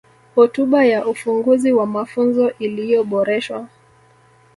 Hotuba ya Ufunguzi wa Mafunzo iliyoboreshwa